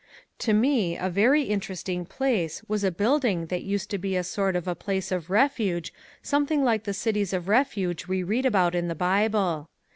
To me a very interesting place was a building that used to be a sort of a place of refuge something like the cities of refuge we read about in the Bible.